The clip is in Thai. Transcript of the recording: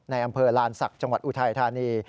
ในอำเภอลานศักดิ์จังหวัดอุทัยธานี